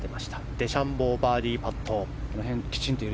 デシャンボーバーディーパット。